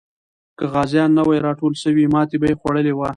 که غازیان نه وای راټول سوي، ماتې به یې خوړلې وه.